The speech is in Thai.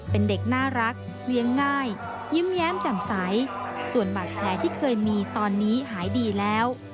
เป็นเด็กน่ารักเลี้ยงง่ายยิ้มแย้มแจ่มใสส่วนบาดแผลที่เคยมีตอนนี้หายดีแล้ว